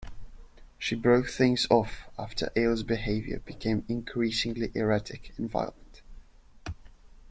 She broke things off after Ails' behavior became increasingly erratic and violent.